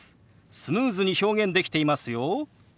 スムーズに表現できていますよ。